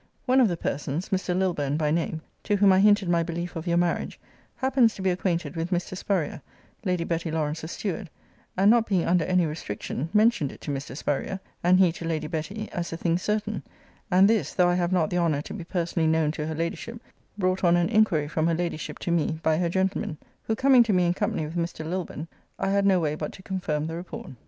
One of the persons, (Mr. Lilburne by name,) to whom I hinted my belief of your marriage, happens to be acquainted with Mr. Spurrier, Lady Betty Lawrance's steward, and (not being under any restriction) mentioned it to Mr. Spurrier, and he to Lady Betty, as a thing certain; and this, (though I have not the honour to be personally known to her Ladyship,) brought on an inquiry from her Ladyship to me by her gentleman; who coming to me in company with Mr. Lilburne, I had no way but to confirm the report.